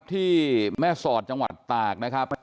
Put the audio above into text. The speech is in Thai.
ที่แม่สอดจังหวัดตากนะครับ